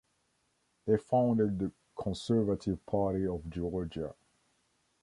They founded the "Conservative Party of Georgia".